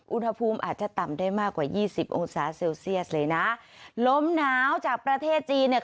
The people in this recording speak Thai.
อุณหภูมิอาจจะต่ำได้มากกว่ายี่สิบองศาเซลเซียสเลยนะลมหนาวจากประเทศจีนเนี่ย